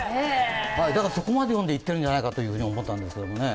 だからそこまで読んで言っているんじゃないかと思ったんですけどね。